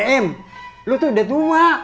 em lo tuh udah tua